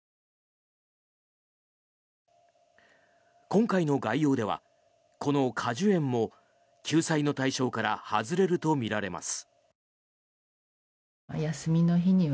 今回の概要ではこの果樹園も救済の対象から外れるとみられます。